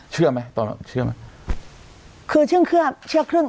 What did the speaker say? คือเชื่อเครื่อง